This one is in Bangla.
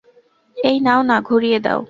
এই নাও না, ঘুরিয়ে দাও।